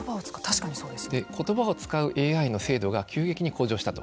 言葉を使うＡＩの精度が急激に向上したと。